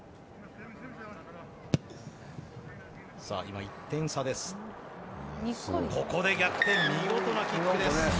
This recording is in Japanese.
さあ、今、１点差です。